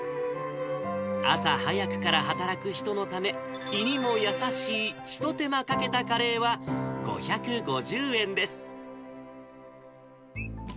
朝早くから働く人のため、胃にも優しいひと手間かけたカレーは、５５０円です。